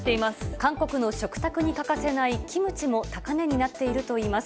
韓国の食卓に欠かせないキムチも高値になっているといいます。